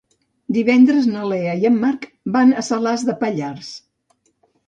Divendres na Lea i en Marc van a Salàs de Pallars.